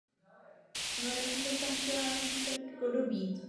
Nejvíce členů Slovenského skautingu je slovenské a romské národnosti.